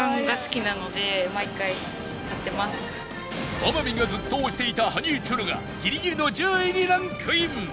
天海がずっと推していたハニーチュロがギリギリの１０位にランクイン